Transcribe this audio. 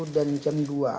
dan jam dua